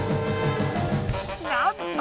なんと！